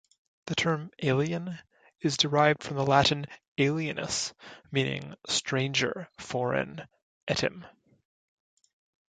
The term "Alien" is derived from the Latin "alienus", meaning stranger, foreign, etym.